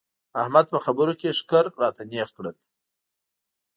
احمد په خبرو کې ښکر راته نېغ کړل.